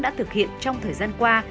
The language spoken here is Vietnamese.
đã thực hiện trong thời gian qua